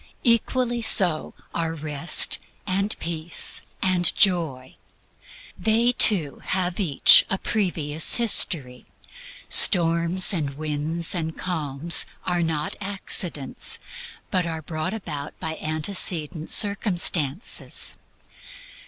Equally so are Rest and Peace and Joy. They, too, have each a previous history. Storms and winds and calms are not accidents, but brought about by antecedent circumstances.